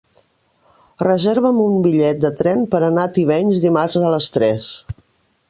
Reserva'm un bitllet de tren per anar a Tivenys dimarts a les tres.